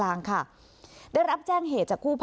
อันดับที่สุดท้าย